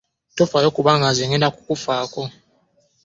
Tofaayo kubanga nze ngenda kukufaako.